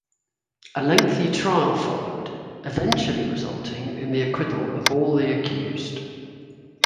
A lengthy trial followed, eventually resulting in the acquittal of all the accused.